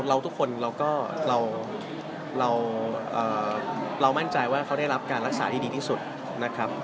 ทุกคนเราก็เรามั่นใจว่าเขาได้รับการรักษาที่ดีที่สุดนะครับ